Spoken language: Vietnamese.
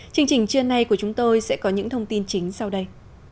chương trình trưa nay của chúng tôi sẽ có những thông tin chính sau đây